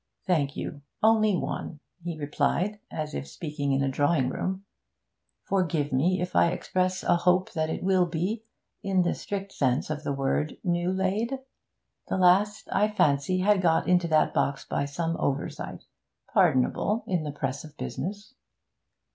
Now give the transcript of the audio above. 'Thank you, only one,' he replied, as if speaking in a drawing room. 'Forgive me if I express a hope that it will be, in the strict sense of the word, new laid. The last, I fancy, had got into that box by some oversight pardonable in the press of business.'